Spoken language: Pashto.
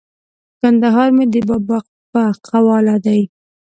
کندهار مې د بابا په قواله دی!